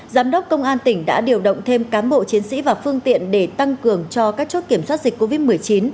giám đốc công an tỉnh đã điều động thêm cán bộ chiến sĩ và phương tiện để tăng cường cho các chốt kiểm soát dịch covid một mươi chín